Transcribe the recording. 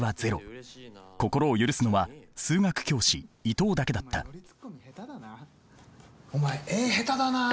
心を許すのは数学教師伊藤だけだったお前絵下手だな。